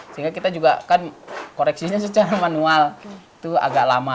sehingga kita juga kan koreksinya secara manual itu agak lama